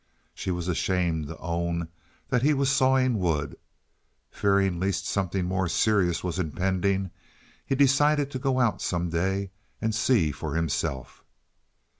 She was ashamed to own that he was sawing wood. Fearing lest something more serious was impending, he decided to go out some day and see for himself.